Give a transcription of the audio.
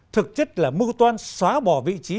thực chất là mưu toan xóa bỏ vị trí